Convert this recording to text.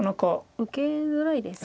受けづらいですね。